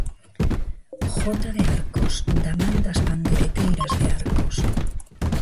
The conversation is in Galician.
"Jota de Arcos" da man das pandeireteiras de Arcos.